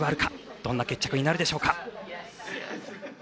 どんな決着になるでしょうか。